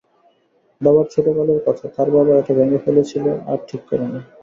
বাবার ছোটকালের কথা, তার বাবা এটা ভেঙ্গে ফেলেছিল, আর ঠিক করেনি।